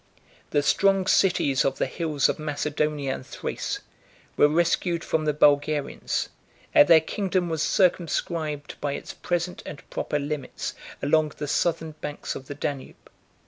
The strong cities of the hills of Macedonia and Thrace were rescued from the Bulgarians; and their kingdom was circumscribed by its present and proper limits, along the southern banks of the Danube.